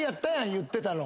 言ってたの。